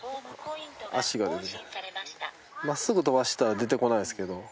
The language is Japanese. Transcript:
真っすぐ飛ばしたら出てこないんですけど